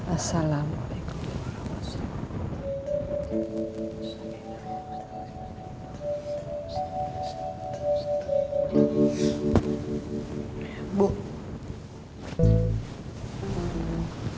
assalamualaikum warahmatullahi wabarakatuh